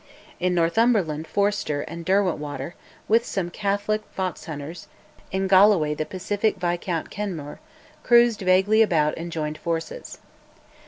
In Northumberland Forster and Derwentwater, with some Catholic fox hunters, in Galloway the pacific Viscount Kenmure, cruised vaguely about and joined forces.